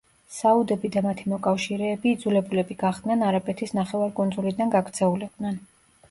საუდები და მათი მოკავშირეები იძულებულები გახდნენ არაბეთის ნახევარკუნძულიდან გაქცეულიყვნენ.